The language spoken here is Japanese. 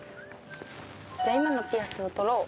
じゃあ今のピアスを取ろう。